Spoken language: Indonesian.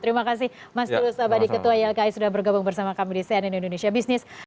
terima kasih mas tulus abadi ketua ylki sudah bergabung bersama kami di cnn indonesia business